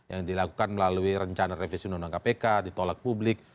yang dilakukan melalui rencana revisi undang undang kpk ditolak publik